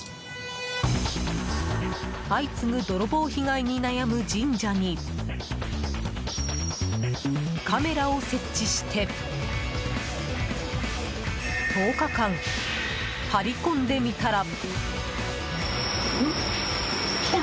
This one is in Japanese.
相次ぐ泥棒被害に悩む神社にカメラを設置して１０日間張り込んでみたら。